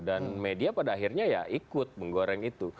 dan media pada akhirnya ya ikut menggoreng itu